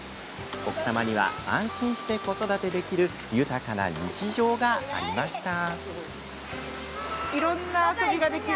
奥多摩には安心して子育てできる豊かな日常がありました。